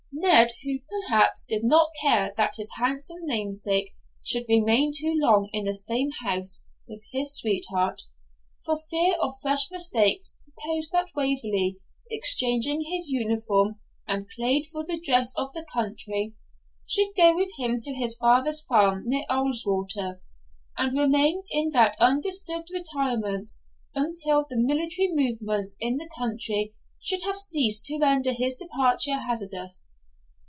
Ned, who perhaps did not care that his handsome namesake should remain too long in the same house with his sweetheart, for fear of fresh mistakes, proposed that Waverley, exchanging his uniform and plaid for the dress of the country, should go with him to his father's farm near Ullswater, and remain in that undisturbed retirement until the military movements in the country should have ceased to render his departure hazardous.